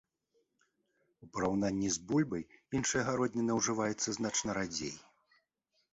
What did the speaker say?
У параўнанні з бульбай іншая гародніна ўжываецца значна радзей.